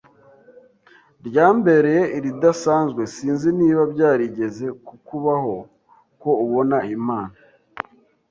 ryambereye iridasanzwe sinzi niba byarigeze kukubaho ko ubona Imana